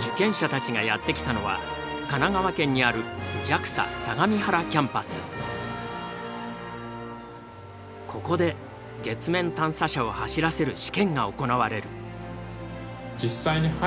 受験者たちがやって来たのは神奈川県にあるここで月面探査車を走らせる試験が行われる。